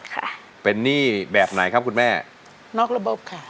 ค่ะเป็นหนี้แบบไหนครับคุณแม่นอกระบบค่ะ